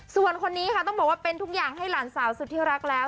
ส่วนคนนี้ค่ะต้องบอกว่าเป็นทุกอย่างให้หลานสาวสุดที่รักแล้ว